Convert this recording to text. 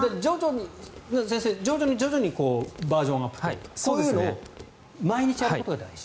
先生、徐々にバージョンアップというかこういうのを毎日やることが大事。